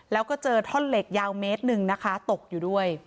แล้วก็เจอท่อนเหล็กยาวเมตรหนึ่งนะคะตกอยู่ด้วย